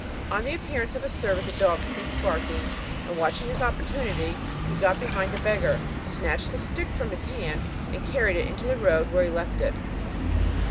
On the appearance of a servant the dog ceased barking, and watching his opportunity, he got behind the beggar, snatched the stick from his hand, and carried it into the road, where he left it.